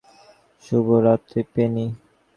শুভরাত্রি, পেনি।